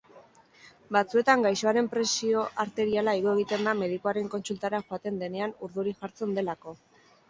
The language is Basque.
Batzuetan gaixoaren presio arteriala igo egiten da medikuaren kontsultara joaten denean urduri jartzen delako.